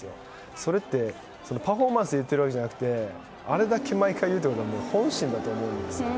それってパフォーマンスで言ってるわけじゃなくてあれだけ毎回言うってことは本心だと思うんです。